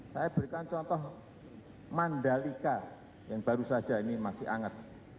saya berikan contoh mandalika yang baru saja ini masih hangat